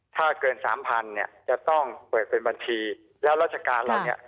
ถ้าเกินสามพันเนี่ยจะต้องเปิดเป็นบัญชีแล้วราชการเหล่านี้